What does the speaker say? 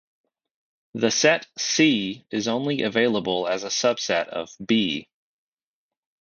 The set "C" is only available as a subset of "B".